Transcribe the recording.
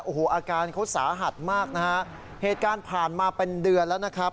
โอ้โหอาการเขาสาหัสมากนะฮะเหตุการณ์ผ่านมาเป็นเดือนแล้วนะครับ